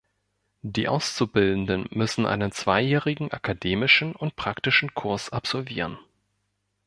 Die Auszubildenden müssen einen zweijährigen akademischen und praktischen Kurs absolvieren.